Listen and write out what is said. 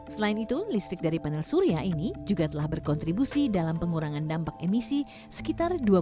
selain itu listrik dari panel surya ini juga telah berkontribusi dalam pengurangan dampak emisi sekitar dua puluh